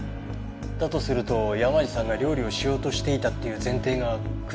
だとすると山路さんが料理をしようとしていたっていう前提が崩れませんか？